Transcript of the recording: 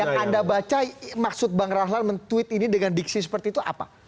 yang anda baca maksud bang rahlan men tweet ini dengan diksi seperti itu apa